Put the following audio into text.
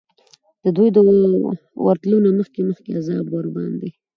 د دوی د ورتلو نه مخکي مخکي عذاب ورباندي